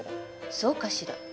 そうかしら。